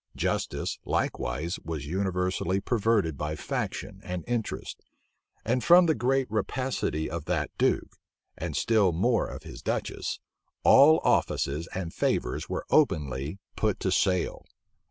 Justice, likewise, was universally perverted by faction and interest: and from the great rapacity of that duke, and still more of his duchess, all offices and favors were openly put to sale.